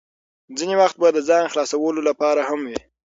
ځینې وخت به د ځان خلاصولو لپاره هم وې.